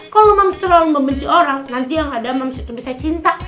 kalau mams terlalu membenci orang nanti yang ada mams itu bisa cinta